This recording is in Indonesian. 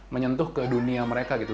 menyentuh ke dunia mereka gitu